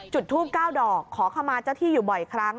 จุดทูบ๙ดอกขอขมาเจ้าที่อยู่บ่อยครั้ง